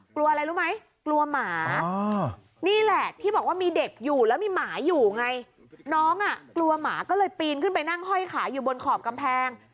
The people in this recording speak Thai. กลัวอะไรรู้ไหมกลัวหมานี่แหละที่บอกว่ามีเด็กอยู่แล้วมีหมาอยู่ไงน้องอ่ะกลัวหมาก็เลยปีนขึ้นไปนั่งห้อยขาอยู่บนขอบกำแพง